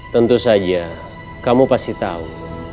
tentu saja kamu pasti tahu